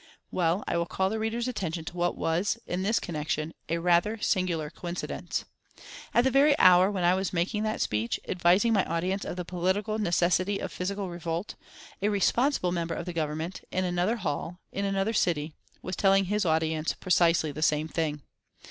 Well, I will call the reader's attention to what was, in this connection, a rather singular coincidence. At the very hour when I was making that speech, advising my audience of the political necessity of physical revolt, a responsible member of the Government, in another hall, in another city, was telling his audience precisely the same thing.